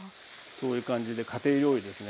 そういう感じで家庭料理ですね。